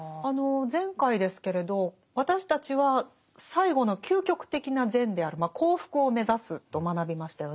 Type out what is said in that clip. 前回ですけれど私たちは最後の究極的な善である「幸福」を目指すと学びましたよね。